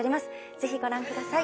ぜひご覧ください。